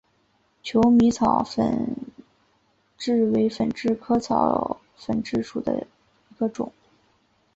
求米草粉虱为粉虱科草粉虱属下的一个种。